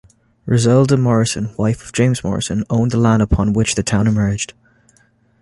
Roselda Morrison, wife of James Morrison, owned the land upon which the town emerged.